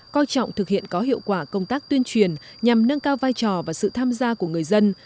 coi trọng thực hiện có hiệu quả công tác tuyên truyền nhằm nâng cao vai trò và sự tham gia của người dân